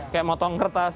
kayak motong kertas